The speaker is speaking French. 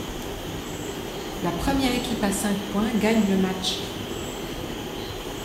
La première équipe à cinq points gagne le match.